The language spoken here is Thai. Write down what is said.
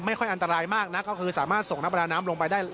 ค่อยอันตรายมากนักก็คือสามารถส่งนักประดาน้ำลงไปได้